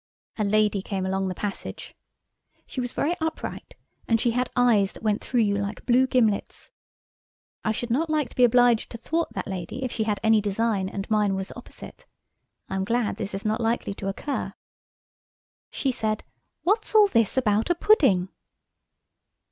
a lady came along the passage. She was very upright, and she had eyes that went through you like blue gimlets. I should not like to be obliged to thwart that lady if she had any design, and mine was opposite. I am glad this is not likely to occur. She said, "What's all this about a pudding?"